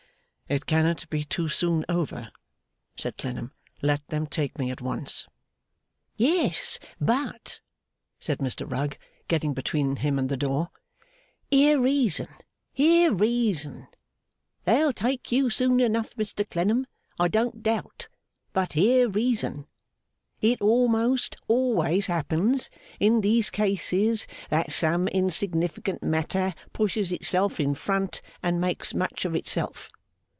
'It cannot be too soon over,' said Clennam. 'Let them take me at once.' 'Yes, but,' said Mr Rugg, getting between him and the door, 'hear reason, hear reason. They'll take you soon enough, Mr Clennam, I don't doubt; but, hear reason. It almost always happens, in these cases, that some insignificant matter pushes itself in front and makes much of itself.